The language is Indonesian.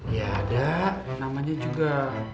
ya ada namanya juga